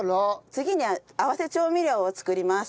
次に合わせ調味料を作ります。